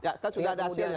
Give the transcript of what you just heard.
ya kan sudah ada hasilnya